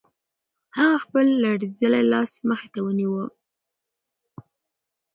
هغه خپل لړزېدلی لاس مخې ته ونیو.